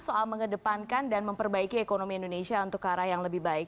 soal mengedepankan dan memperbaiki ekonomi indonesia untuk ke arah yang lebih baik